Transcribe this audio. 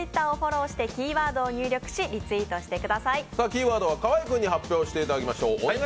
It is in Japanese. キーワードは河合君に発表していただきましょう。